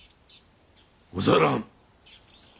ござらん。